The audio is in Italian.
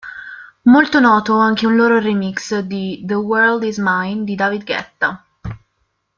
Molto noto anche un loro remix di "The World Is Mine" di David Guetta.